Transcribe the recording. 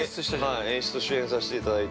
◆はい、演出・主演させていただいて。